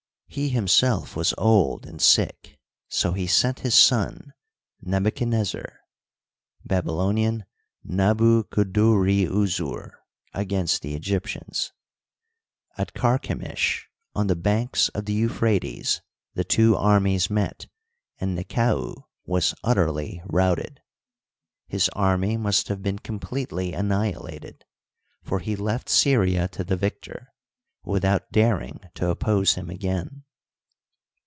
He himself was old and sick ; so he sent his son Nebuchadnez zar (Bab., Nabu kudurri uzzur) against the Egyptians. At Karkemish, on the banks of the Euphrates, the two armies met, and Nekau was utterly routed. His army must have been completely annihilated, for he left Syria to the victor, without daring to oppose him again.